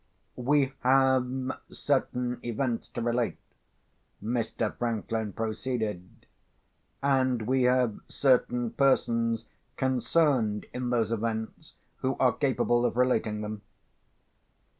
"We have certain events to relate," Mr. Franklin proceeded; "and we have certain persons concerned in those events who are capable of relating them.